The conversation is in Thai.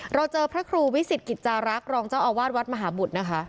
เราเจอพระครูวิสิตกิจจารักษ์รองเจ้าอาวาสวัดมหาบุตรนะคะ